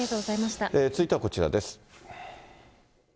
続いてはこちらです。